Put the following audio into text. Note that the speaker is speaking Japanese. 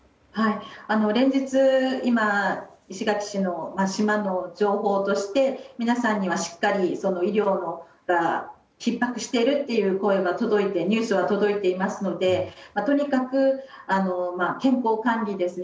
連日、今石垣市の島の情報として皆さんには医療がひっ迫しているという声、ニュースが届いていますのでとにかく健康管理ですね。